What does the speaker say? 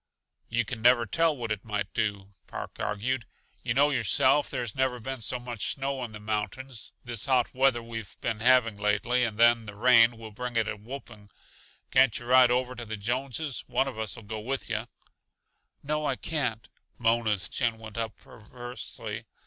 "You can never tell what it might do," Park argued. "Yuh know yourself there's never been so much snow in the mountains. This hot weather we've been having lately, and then the rain, will bring it a whooping. Can't yuh ride over to the Jonses? One of us'll go with yuh." "No, I can't." Mona's chin went up perversely.